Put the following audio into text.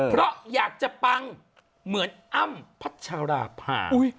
เพราะอยากจะปังเหมือนอ้ำพัชราภา